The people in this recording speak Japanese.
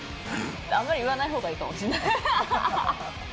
あまり言わないほうがいいかもしんない。